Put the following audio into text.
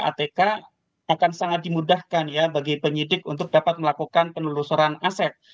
atk akan sangat dimudahkan ya bagi penyidik untuk dapat melakukan penelusuran aset